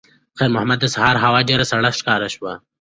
خیر محمد ته د سهار هوا ډېره سړه ښکاره شوه.